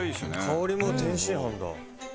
香りも天津飯だ。